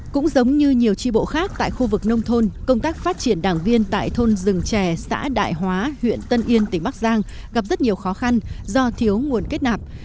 cũng giống như nhiều tri bộ khác tại khu vực nông thôn công tác phát triển đảng viên tại thôn rừng trè xã đại hóa huyện tân yên tỉnh bắc giang gặp rất nhiều khó khăn do thiếu nguồn kết nạp